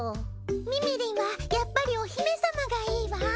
みみりんはやっぱりお姫様がいいわ！